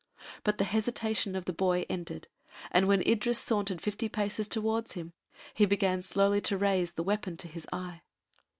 But the hesitation of the boy ended, and when Idris sauntered fifty paces toward him, he began slowly to raise the weapon to his eye.